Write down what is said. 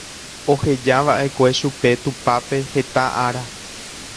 ohejava'ekue chupe tupápe heta ára